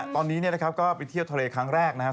ตอนนี้ก็ไปเที่ยวทะเลครั้งแรกนะครับ